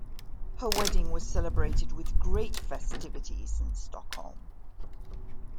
Her wedding was celebrated with great festivities in Stockholm.